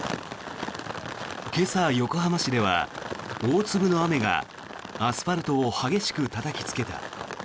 今朝、横浜市では大粒の雨がアスファルトを激しくたたきつけた。